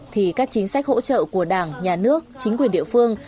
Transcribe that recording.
thì các chính sách hỗ trợ của đảng nhà nước chính quyền địa phương